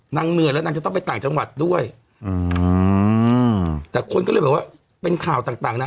เหนื่อยแล้วนางจะต้องไปต่างจังหวัดด้วยอืมแต่คนก็เลยแบบว่าเป็นข่าวต่างต่างนะ